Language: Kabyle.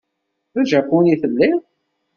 D ajapuni i telliḍ?